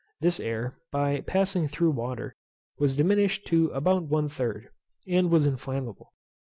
This air, by passing through water, was diminished to about one third, and was inflammable.